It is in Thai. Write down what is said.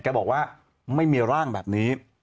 บอกว่าไม่มีร่างแบบนี้